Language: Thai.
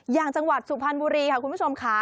จังหวัดสุพรรณบุรีค่ะคุณผู้ชมค่ะ